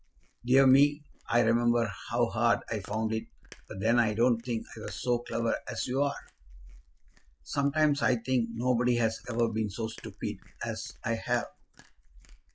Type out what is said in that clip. Dear me! I remember how hard I found it, but then I don't think I was so clever as you are." "Sometimes I think nobody has ever been so stupid as I have."